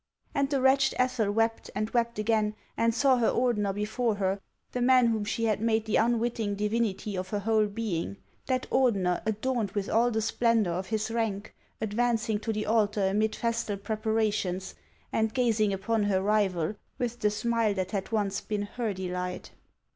And the wretched Ethel wept and wept again, and saw her Ordener before her, the man whom she had made the unwitting divinity of her whole being, that Ordener adorned with all the splendor of his rank, advancing to the altar amid festal preparations, and gazing upon her rival with the smile that had once been her delight.